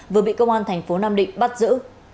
vừa bị công an thành phố nam định bắt giữ